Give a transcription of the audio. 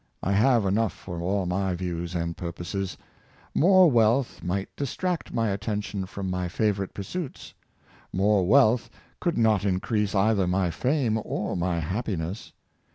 I have enough for all my views and purposes. More wealth might distract my attention from my favorite pursuits. More wealth could not increase either my fame or my happiness.